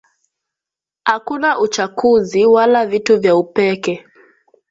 Akuna uchakuzi wala vitu vya upeke